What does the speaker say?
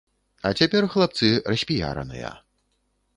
А цяпер хлапцы распіяраныя.